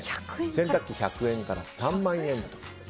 洗濯機、１００円から３万円と。